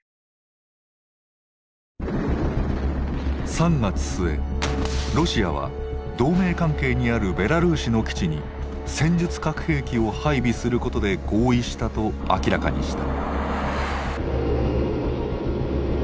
３月末ロシアは同盟関係にあるベラルーシの基地に戦術核兵器を配備することで合意したと明らかにした。